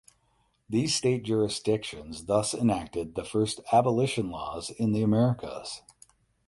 These state jurisdictions thus enacted the first abolition laws in the Americas.